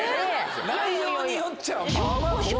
内容によっちゃ。